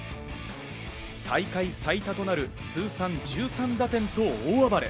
大会最多となる通算１３打点と大暴れ。